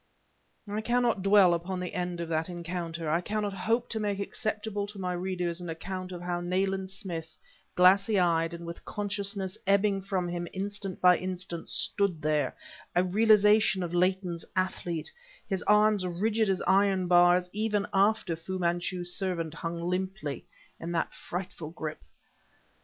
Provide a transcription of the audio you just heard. I cannot dwell upon the end of that encounter; I cannot hope to make acceptable to my readers an account of how Nayland Smith, glassy eyed, and with consciousness ebbing from him instant by instant, stood there, a realization of Leighton's "Athlete," his arms rigid as iron bars even after Fu Manchu's servant hung limply in that frightful grip.